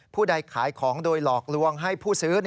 ใดขายของโดยหลอกลวงให้ผู้ซื้อ